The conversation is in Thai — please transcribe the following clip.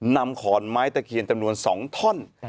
ขอนไม้ตะเคียนจำนวน๒ท่อน